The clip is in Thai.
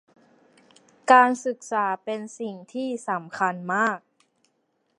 การศึกษาเป็นสิ่งสำคัญมาก